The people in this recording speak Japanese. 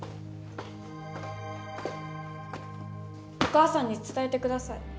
お母さんに伝えてください。